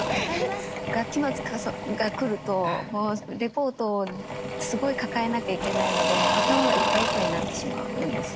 学期末が来るとレポートをすごい抱えなきゃいけないので頭がいっぱいいっぱいになってしまうんですね。